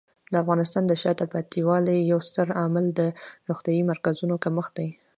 د افغانستان د شاته پاتې والي یو ستر عامل د روغتیايي مرکزونو کمښت دی.